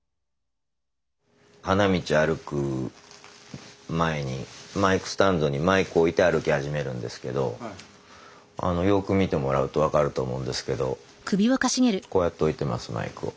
花道歩く前にマイクスタンドにマイクを置いて歩き始めるんですけどよく見てもらうと分かると思うんですけどこうやって置いてますマイクを。